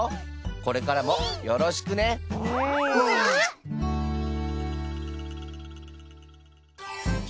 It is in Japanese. これからもよろしくねイエーイ。